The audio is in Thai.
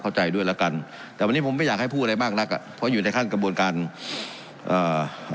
แต่วันนี้ผมไม่อยากให้พูดอะไรมากนักอ่ะเพราะอยู่ในขั้นกระบวนการเอ่อ